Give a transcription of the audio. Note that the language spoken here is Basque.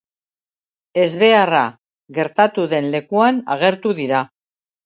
Ezbeharra gertatu den lekuan agertu dira.